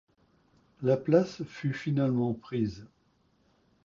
La place fut finalement prise.